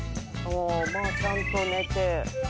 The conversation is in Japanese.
まあちゃんと寝て。